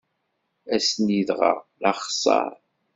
Ass-nni dɣa, d axeṣṣaṛ.